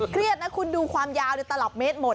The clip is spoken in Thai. เครียดนะคุณดูความยาวในตลับเมตรหมด